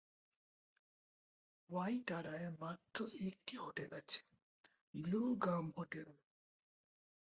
ওয়াইটারায় মাত্র একটি হোটেল আছে, ব্লু গাম হোটেল।